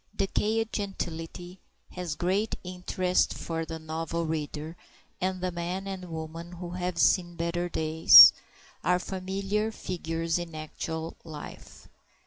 DECAYED gentility has great interest for the novel reader, and the man and woman who "have seen better days" are familiar figures in actual life.